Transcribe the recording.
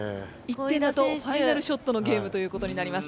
１点だとファイナルショットのゲームということになります。